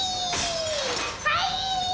はい。